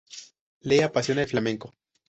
Le apasiona el flamenco.